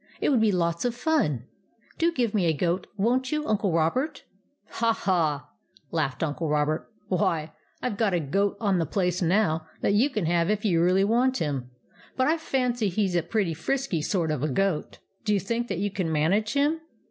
It would be lots of fun ! Do give me a goat, won't you, Uncle Robert ?"" Ha, ha !" laughed Uncle Robert. " Why, I Ve got a goat on the place now that you can have if you really want him ; but I fancy he 's a pretty frisky sort of a goat. Do you think that you can manage him